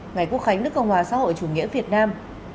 ngày quốc khánh nước cộng hòa xã hội chủ nghĩa việt nam